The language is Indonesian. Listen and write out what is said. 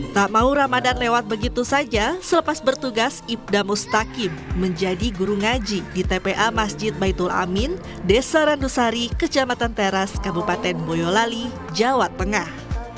tak mau ramadan lewat begitu saja selepas bertugas ibda mustakim menjadi guru ngaji di tpa masjid baitul amin desa randusari kecamatan teras kabupaten boyolali jawa tengah